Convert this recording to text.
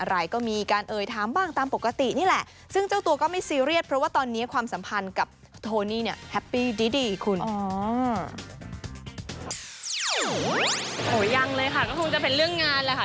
โอ้โหยังเลยค่ะก็คงจะเป็นเรื่องงานแหละค่ะ